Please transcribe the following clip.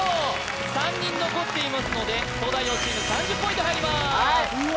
３人残っていますので東大王チーム３０ポイント入りますうわ